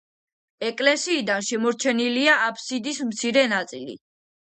ეკლესიიდან შემორჩენილია აბსიდის მცირე ნაწილი.